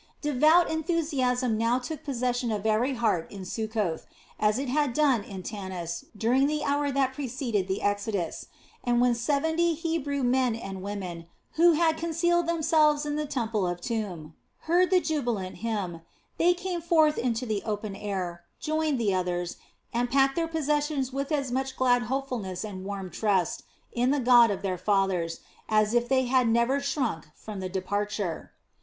Devout enthusiasm now took possession of every heart in Succoth, as it had done in Tanis during the hour that preceded the exodus, and when seventy Hebrew men and women, who had concealed themselves in the temple of Turn, heard the jubilant hymn, they came forth into the open air, joined the others, and packed their possessions with as much glad hopefulness and warm trust in the God of their fathers, as if they had never shrunk from the departure.